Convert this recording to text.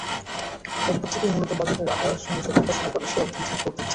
এরপর থেকেই মূলত বাজেটের আকারের সঙ্গে শত্রুতা শুরু করেছে অর্থনীতির প্রবৃদ্ধি।